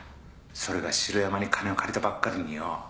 それが城山に金を借りたばっかりによ。